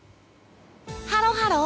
ハロハロー！